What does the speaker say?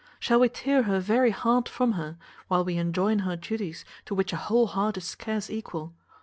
Shall we tear her very heart from her, while we enjoin her duties to which a whole heart is scarce equal?